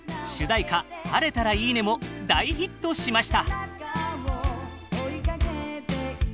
「晴れたらいいね」も大ヒットしました。